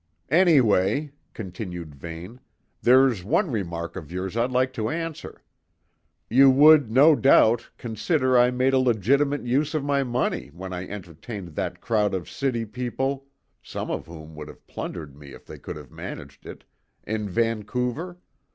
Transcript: "Anyway," continued Vane, "there's one remark of yours I'd like to answer. You would, no doubt, consider I made a legitimate use of my money when I entertained that crowd of city people some of whom would have plundered me if they could have managed it in Vancouver.